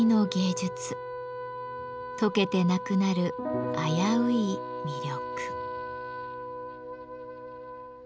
とけてなくなる危うい魅力。